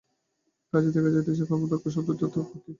কাজেই দেখা যাইতেছে যে, কর্মদক্ষতা শব্দটিরও অর্থ আপেক্ষিক।